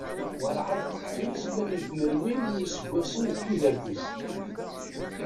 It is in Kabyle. Warɛad teqfil snat n tmerwin n yiseggasen deg tudert-is.